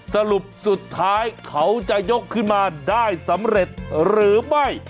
สรุปสุดท้ายเขาจะยกขึ้นมาได้สำเร็จหรือไม่